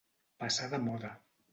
Passar de moda.